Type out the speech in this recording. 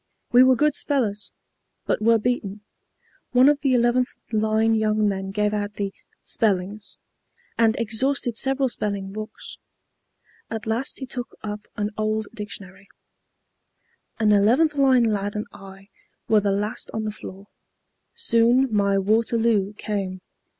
We were good spellers, but were beaten. One of the 11th line young men gave out the 'spellings,' and exhausted several spelling books. At last he took up an old dictionary. An 11th line lad and I were the last on the floor. Soon my Waterloo came.